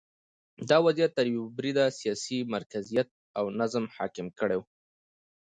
دا وضعیت تر یوه بریده سیاسي مرکزیت او نظم حاکم کړی و